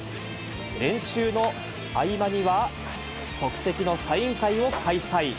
練習の合間には、即席のサイン会を開催。